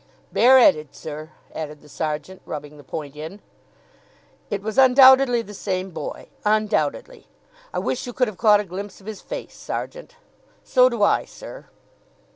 "Bare 'eaded, sir," added the sergeant, rubbing the point in. "It was undoubtedly the same boy, undoubtedly! I wish you could have caught a glimpse of his face, sergeant." "So do I, sir."